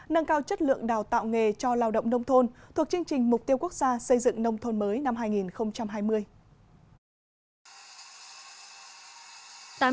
nâng cao chất lượng đào tạo nghề cho lao động nông thôn thuộc chương trình mục tiêu quốc gia xây dựng nông thôn mới năm hai nghìn hai mươi